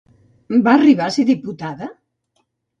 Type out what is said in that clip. Va arribar a ser diputada?